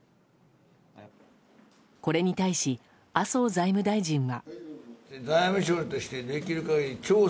これに対し、麻生財務大臣は。